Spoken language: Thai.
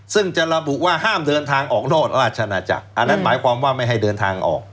ซึ่งจะระบุว่าห้ามเดินทางออกนอกราชนาจักรอันนั้นหมายความว่าไม่ให้เดินทางออก